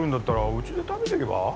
うちで食べてけば？